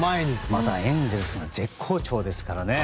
またエンゼルスが絶好調ですからね。